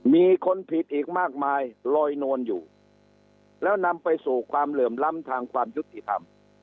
มีคนผิดอีกมากมายลอยนวลอยู่แล้วนำไปสู่ความเหลื่อมล้ำทางความยุติธรรม